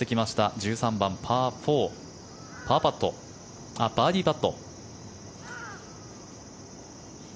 １３番、パー４バーディーパット。